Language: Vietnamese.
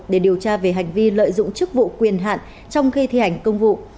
để điều tra về hành vi lợi dụng chức vụ quyền hạn trong khi thi hành công vụ